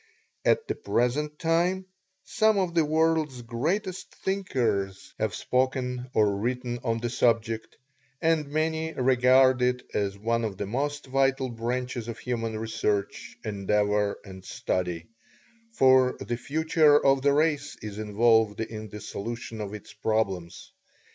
At the present time some of the world's greatest thinkers have spoken or written on the subject, and many regard it as one of the most vital branches of human research, endeavor, and study, for the future of the race is involved in the solution of its problems.